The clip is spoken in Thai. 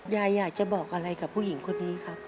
ยายอยากจะบอกอะไรกับผู้หญิงคนนี้ครับ